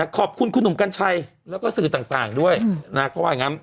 ขอบคุณคุณหนุ่มกัญชัยแล้วก็สื่อต่างด้วยนะเขาว่าอย่างนั้น